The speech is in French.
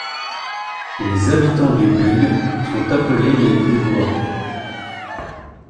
Les habitants du Bugue sont appelés les Buguois.